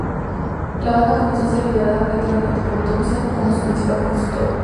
La banda comenzó a ser liderada creativamente por Townshend como su principal compositor.